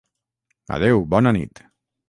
Adéu, bona nit!